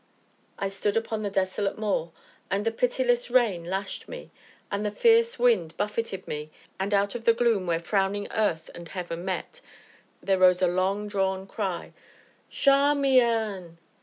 I stood upon a desolate moor, and the pitiless rain lashed me, and the fierce wind buffeted me; and, out of the gloom where frowning earth and heaven met there rose a long drawn cry: "Charmian."